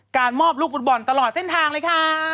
มอบลูกฟุตบอลตลอดเส้นทางเลยค่ะ